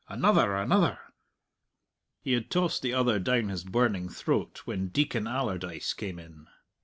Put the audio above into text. Another!" He had tossed the other down his burning throat when Deacon Allardyce came in.